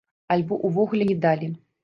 Альбо ўвогуле не далі.